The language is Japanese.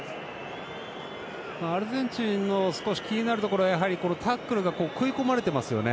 アルゼンチンの少し気になるところはタックルが食い込まれてますよね。